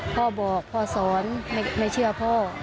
พ่อบอกพ่อสอนไม่เชื่อพ่อ